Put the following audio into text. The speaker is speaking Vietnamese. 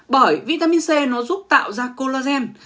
bởi vitamin c nó giúp tạo ra collagen